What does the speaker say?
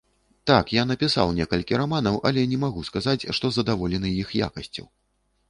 Так, я напісаў некалькі раманаў, але не магу сказаць, што задаволены іх якасцю.